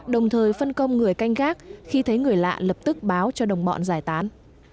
đồng thời phân công người canh gác khi thấy người lạ lập tức báo cho đồng bọn giải tán